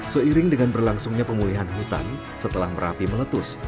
seiring dengan berlangsungnya pemulihan hutan setelah merapi meletus